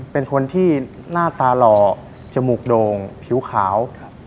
เป็นคนที่หน้าตาหล่อจมูกโด่งผิวขาว